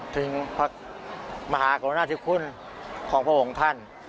ทิ่งมหากรุณาทิคุณของพระองค์ท่าน